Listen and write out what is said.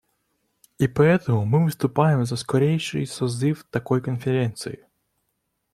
И поэтому мы выступаем за скорейший созыв такой конференции.